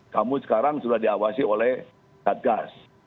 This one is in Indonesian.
kamu sekarang sudah diawasi oleh satgas